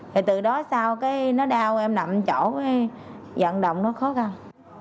thì từ đó sau cái nó đau em nằm chỗ vận động nó khó khăn